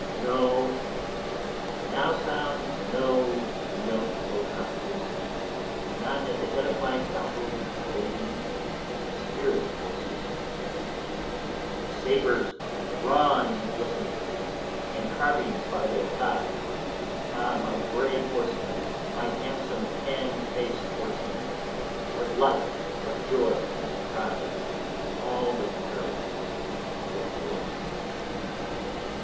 Now sound no note O trumpeters, Not at the head of my cavalry parading on spirited horses, With sabres drawn and glistening, and carbines by their thighs, (ah my brave horsemen! My handsome tan faced horsemen! what life, what joy and pride, With all the perils were yours.)